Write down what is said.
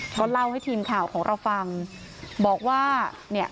ก็เล่าให้ทีมข่าวของเราฟังบอกว่าเนี่ย